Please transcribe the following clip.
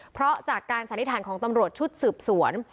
เพราะจากการสันนิษฐานของตำรวจชุดสืบสวน